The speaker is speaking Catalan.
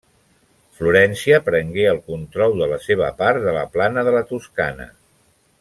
Florència prengué el control de la seva part de la plana de la Toscana.